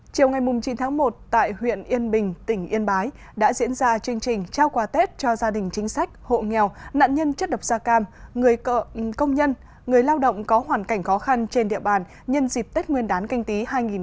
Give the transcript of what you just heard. chiều ngày chín tháng một tại huyện yên bình tỉnh yên bái đã diễn ra chương trình trao quà tết cho gia đình chính sách hộ nghèo nạn nhân chất độc da cam người công nhân người lao động có hoàn cảnh khó khăn trên địa bàn nhân dịp tết nguyên đán canh tí hai nghìn hai mươi